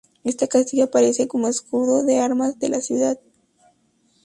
Este castillo aparece como escudo de armas de la ciudad.